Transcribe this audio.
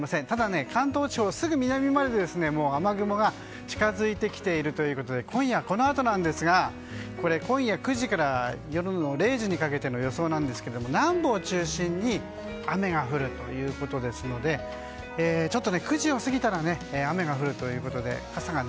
ただ関東地方は、すぐ南までもう雨雲が近づいてきているということで今夜このあとですが９時から夜の０時にかけての予想なんですけど南部を中心に雨が降るということですので９時を過ぎたら雨が降るということです